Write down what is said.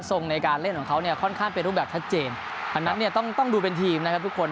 ในการเล่นของเขาเนี่ยค่อนข้างเป็นรูปแบบชัดเจนอันนั้นเนี่ยต้องต้องดูเป็นทีมนะครับทุกคน